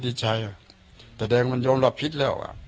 เออเร็วก่อนให้เขาดีใจแสดงว่ามันยอมรับพิษแล้วอ่ะไม่หรอก